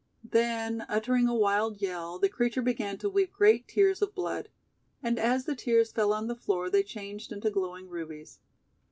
Then, uttering a wild yell, the creature began to weep great tears of blood. And as the tears fell on the floor they changed into glowing Rubies.